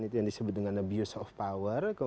itu yang disebut dengan abuse of power